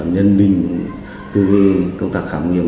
nhân linh từ công tác khám nghiệm